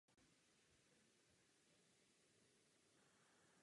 Později vykonával veřejné funkce i jako člen domobrany a radní města Utrecht.